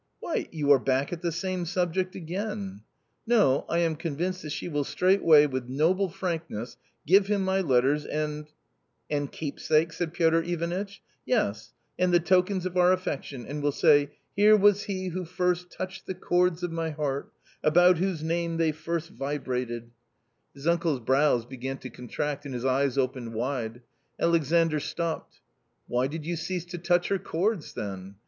" Why ! you are back at the same subject again !"" No, I am convinced that she will straightway with noble frankness give him ray letters and "" And keepsakes?" said Piotr Ivanitcb. " Yes, and the tokens of our affection, and will say : Here this was he who first touched the chords of my heart ; about whose name they first vibrated." 54 A COMMON STORY His uncle's brows began to contract and his eyes opened wide. Alexandr stopped. " Why did you cease to touch her chords then